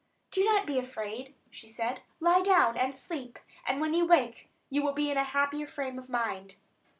"Do not be afraid," she said: "Lie down, and sleep; and when you wake you will be in a happier frame of mind."